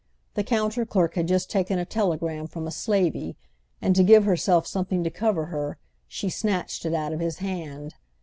The counter clerk had just taken a telegram from a slavey, and, to give herself something to cover her, she snatched it out of his hand.